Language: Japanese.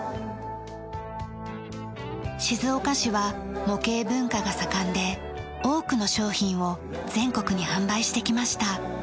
静岡市は模型文化が盛んで多くの商品を全国に販売してきました。